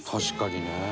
確かにね。